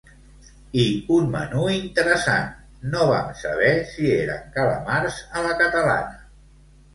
I un menú interessant, no vam saber si eren calamars a la catalana.